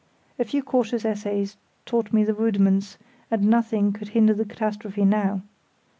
A few cautious essays taught me the rudiments, and nothing could hinder the catastrophe now.